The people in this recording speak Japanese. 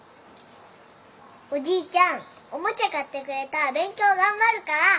おじいちゃんおもちゃ買ってくれたら勉強頑張るから。